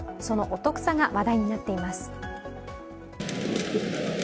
そのお得さが話題になっています。